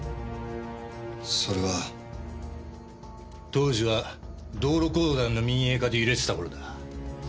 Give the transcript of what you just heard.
当時は道路公団の民営化で揺れてた頃だ。